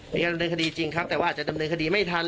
มีการดำเนินคดีจริงครับแต่ว่าอาจจะดำเนินคดีไม่ทัน